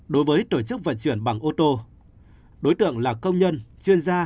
đối với tổ chức vận chuyển bằng ô tô đối tượng là công nhân chuyên gia